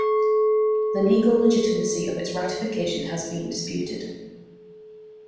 The legal legitimacy of its ratification has been disputed.